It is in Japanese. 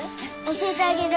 教えてあげる！